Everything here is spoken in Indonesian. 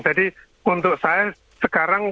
jadi untuk saya sekarang